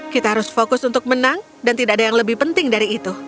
kita harus fokus untuk menang dan tidak ada yang lebih penting dari itu